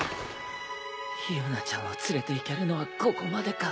結菜ちゃんを連れていけるのはここまでか。